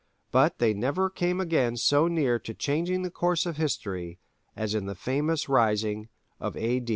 But they never came again so near to changing the course of history as in the famous rising of A.